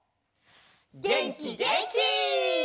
げんきげんき！